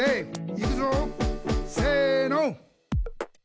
「いくぞ！せの」